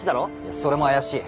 それも怪しい。